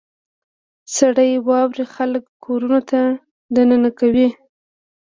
• سړې واورې خلک کورونو ته دننه کوي.